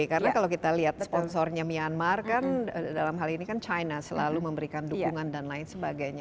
karena kalau kita lihat sponsornya myanmar kan dalam hal ini kan china selalu memberikan dukungan dan lain sebagainya